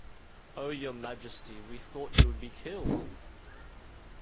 Oh, your Majesty, we thought you would be killed!